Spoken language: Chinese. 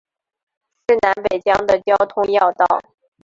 是南北疆的交通要道。